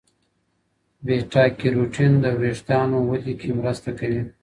بیټا کیروټین د وریښتانو ودې کې مرسته کوي.